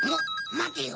まてよ！